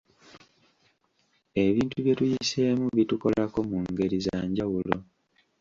Ebintu bye tuyiseemu bitukolako mu ngeri za njawulo.